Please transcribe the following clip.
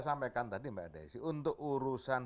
sampaikan tadi mbak desi untuk urusan